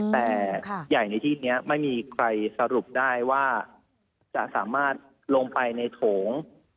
แต่ใหญ่ในที่นี้ไม่มีใครสรุปได้ว่าจะสามารถลงไปในโถง